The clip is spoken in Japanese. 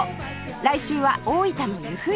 来週は大分の由布院